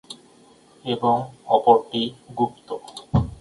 এবং অপরটি গুপ্ত।